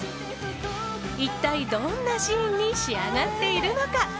一体どんなシーンに仕上がっているのか？